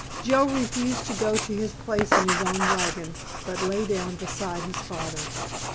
Joe refused to go to his place in his own wagon, but lay down beside his father.